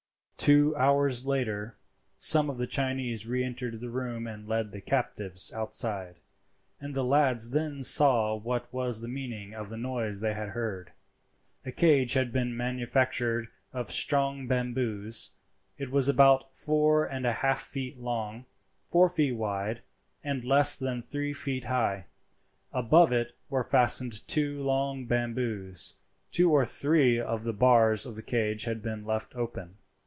Two hours later some of the Chinese re entered the room and led the captives outside, and the lads then saw what was the meaning of the noise they had heard. A cage had been manufactured of strong bamboos. It was about four and a half feet long, four feet wide, and less than three feet high; above it were fastened two long bamboos. Two or three of the bars of the cage had been left open.